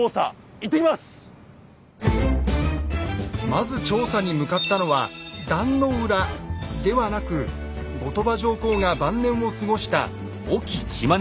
まず調査に向かったのは壇の浦ではなく後鳥羽上皇が晩年を過ごした隠岐。